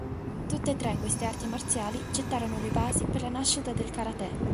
Tutte e tre queste arti marziali gettarono le basi per la nascita del karate.